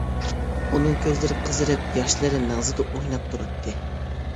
ئۇنىڭ كۆزلىرى قىزىرىپ ياشلىرى مەڭزىدە ئويناپ تۇراتتى.